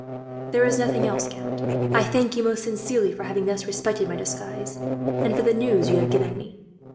"There is nothing else, count. I thank you most sincerely, for having thus respected my disguise, and for the news you have given me."